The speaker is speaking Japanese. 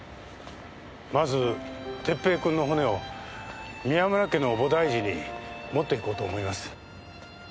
まず哲平くんの骨を宮村家の菩提寺に持っていこうと思います。